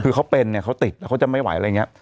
คือเขาเป็นเนี่ยเขาติดแล้วเขาจะไม่ไหวอะไรอย่างนี้